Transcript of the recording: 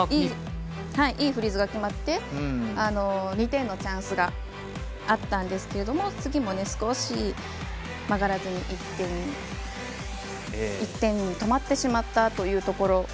いいフリーズが決まって２点のチャンスがあったんですけども次も少し曲がらずに１点に止まってしまったところ。